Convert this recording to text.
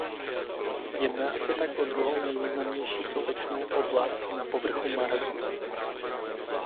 Jedná se tak o druhou nejvýznamnější sopečnou oblast na povrchu Marsu.